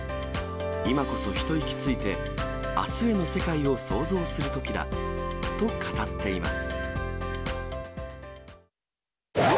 今こそ一息ついて、あすへの世界を想像するときだと語っています。